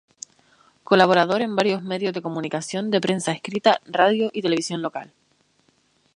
Colaborador en varios medios de comunicación de prensa escrita, radio y televisión local.